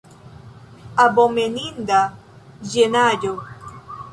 Abomeninda ĝenaĵo!